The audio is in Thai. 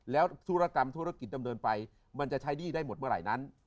แล้วธุรกรรมธุรกิจดำเนินไปมันจะใช้หนี้ได้หมดเมื่อไหร่นั้น